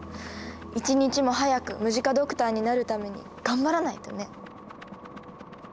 一日も早くムジカドクターになるために頑張らないとね。